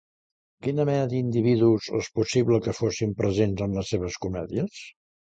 Quina mena d'individus és possible que fossin presents en les seves comèdies?